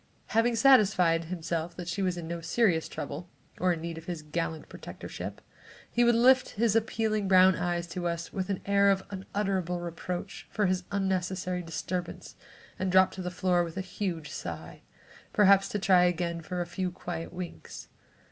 Having satisfied himself that she was in no serious trouble or in need of his gallant protectorship, he would lift his appealing brown eyes to us with an air of unutterable reproach for his unnecessary disturbance, and drop to the floor with a huge sigh, perhaps to try again for a few quiet winks.